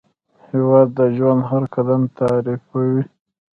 هېواد د ژوند هر قدم تعریفوي.